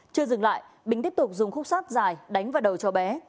chưa dừng lại bình tiếp tục dùng khúc sắt dài đánh vào đầu cháu bé